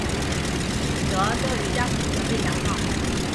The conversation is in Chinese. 则设于驾驶室的背墙上。